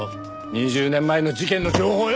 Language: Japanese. ２０年前の事件の情報をよ！